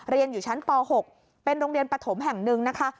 เรียนอยู่ชั้นป๖เป็นโรงเรียนปฐมแห่งหนึ่งนะคะ